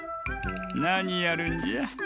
なにやるんじゃ？